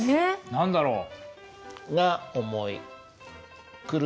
何だろう？